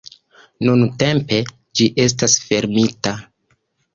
Nuntempe, ĝi estas fermita".